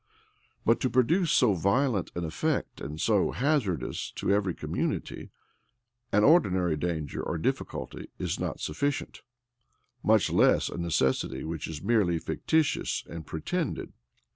But to produce so violent an effect, and so hazardous to every community, an ordinary danger or difficulty is not sufficient; much less a necessity which is merely fictitious and pretended.